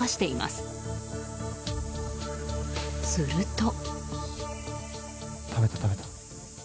すると。